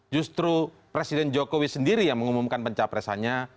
justru presiden jokowi sendiri yang mengumumkan pencapresannya